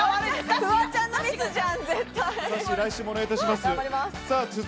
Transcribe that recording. フワちゃんのミスじゃん。